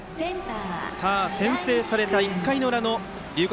先制された１回の裏の龍谷